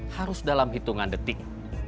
harus dalam hitungan detik